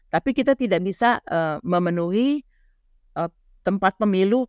tapi kita tidak bisa memenuhi tempat pemilu